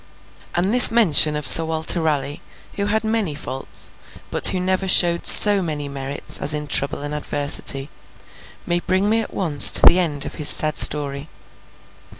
And this mention of Sir Walter Raleigh, who had many faults, but who never showed so many merits as in trouble and adversity, may bring me at once to the end of his sad story.